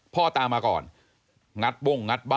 พ่อตามมาก่อน